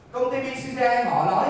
công ty bcca họ nói rằng là ký hợp đầu đi